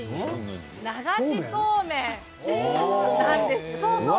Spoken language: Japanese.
流しそうめんなんです。